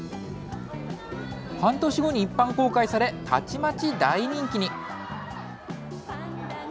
半年後に一般公開され、たちまち大人気に。